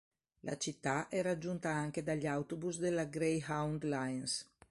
La città è raggiunta anche dagli autobus della Greyhound Lines.